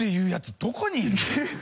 どこにいるの？